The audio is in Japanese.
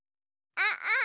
あっ。